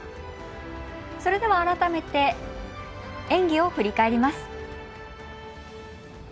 それでは、改めて演技を振り返ります。